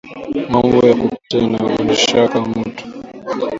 Mambo ya kupita inagondeshaka mutu